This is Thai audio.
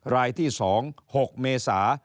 รายที่สอง๖เมษา